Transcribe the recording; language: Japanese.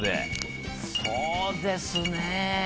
そうですね。